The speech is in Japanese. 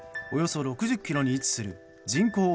およそ６０ｋｍに位置する人口